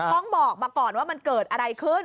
ต้องบอกมาก่อนว่ามันเกิดอะไรขึ้น